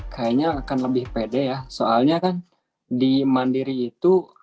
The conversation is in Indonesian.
kayaknya akan lebih pede ya soalnya kan di mandiri itu